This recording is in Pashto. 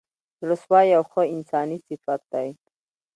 زړه سوی یو ښه انساني صفت دی.